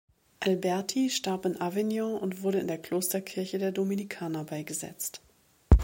Alberti starb in Avignon und wurde in der Klosterkirche der Dominikaner beigesetzt.